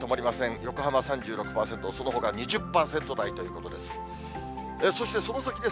横浜３６％、そのほか２０％台ということです。